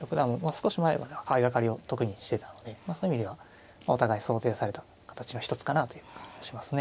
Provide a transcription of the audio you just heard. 少し前までは相掛かりを得意にしてたのでそういう意味ではお互い想定された形の一つかなという感じがしますね。